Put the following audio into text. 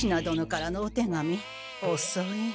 どのからのお手紙おそい。